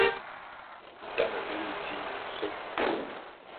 Bi tame be liti sô.